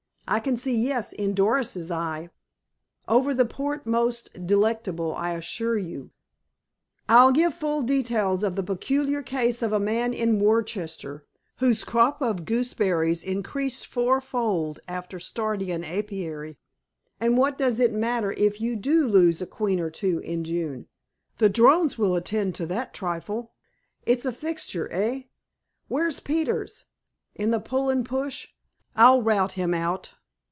I can see 'Yes' in Doris's eye. Over the port—most delectable, I assure you—I'll give full details of the peculiar case of a man in Worcestershire whose crop of gooseberries increased fourfold after starting an apiary. And what does it matter if you do lose a queen or two in June? The drones will attend to that trifle.... It's a fixture, eh? Where's Peters? In the Pull and Push? I'll rout him out."